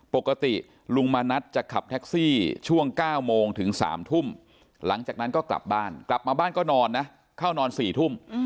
ปกติลุงมณัฐจะขับแท็กซี่ช่วง๙โมงถึง๓ทุ่มหลังจากนั้นก็กลับบ้านกลับมาบ้านก็นอนนะเข้านอน๔ทุ่ม